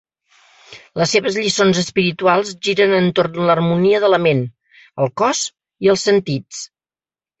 Les seves lliçons espirituals giren entorn l'harmonia de la ment, el cos i els sentits.